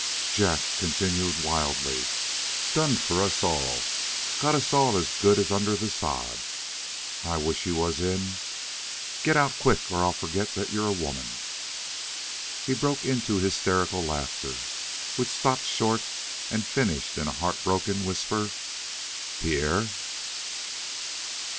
Jack continued wildly: "Done for us all; got us all as good as under the sod. I wish you was in Get out quick, or I'll forget you're a woman!" He broke into hysterical laughter, which stopped short and finished in a heartbroken whisper: "Pierre!"